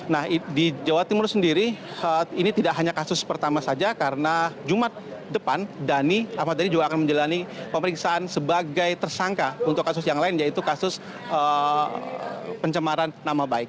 nah di jawa timur sendiri ini tidak hanya kasus pertama saja karena jumat depan dhani ahmad dhani juga akan menjalani pemeriksaan sebagai tersangka untuk kasus yang lain yaitu kasus pencemaran nama baik